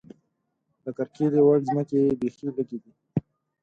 د کرکیلې وړ ځمکې یې بېخې لږې دي.